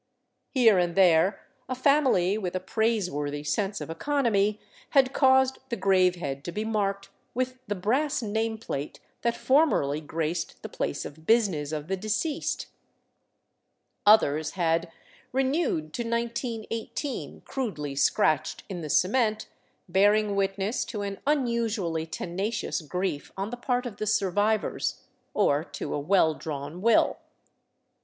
Here and there a family with a praiseworthy sense of economy had caused the grave head to be marked with the brass name plate that formerly graced the place of business of the deceased; others had " Renewed to 1918 " crudely scratched in the cement, bearing witness to an unusually tenacious grief on the part of the survivors — or to a well drawn will.